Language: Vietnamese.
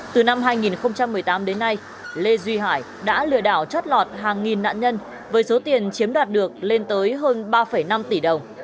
từ năm hai nghìn một mươi tám đến nay lê duy hải đã lừa đảo chót lọt hàng nghìn nạn nhân với số tiền chiếm đoạt được lên tới hơn ba năm tỷ đồng